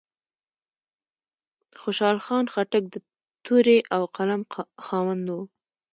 خوشحال خان خټک د تورې او قلم خاوند و.